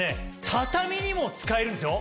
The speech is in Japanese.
畳にも使えるんですよ。